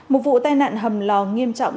một vụ tai nạn hầm lò nghiêm trọng